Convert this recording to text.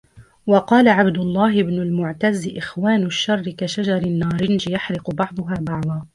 وَقَالَ عَبْدُ اللَّهِ بْنُ الْمُعْتَزِّ إخْوَانُ الشَّرِّ كَشَجَرِ النَّارِنْجِ يُحْرِقُ بَعْضُهَا بَعْضًا